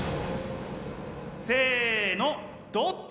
せのどっち？